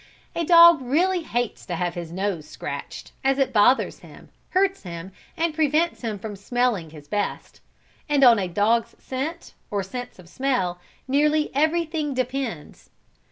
A dog really hates to have his nose scratched as it bothers him, hurts him and prevents him from smelling his best, and on a dog's scent, or sense of smell, nearly everything depends.